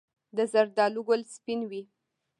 د زردالو ګل سپین وي؟